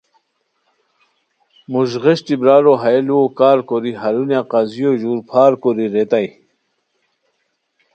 موژغیشٹی برارو ہیہ لوؤ کارکوری ہرونیہ قاضیو ژور پھار کوری ریتائے